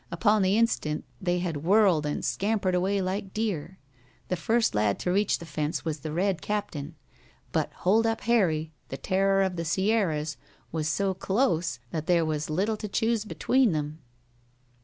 Upon the instant they had whirled and scampered away like deer. The first lad to reach the fence was the Red Captain, but Hold up Harry, the Terror of the Sierras, was so close that there was little to choose between them.